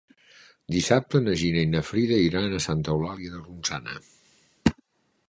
Dissabte na Gina i na Frida iran a Santa Eulàlia de Ronçana.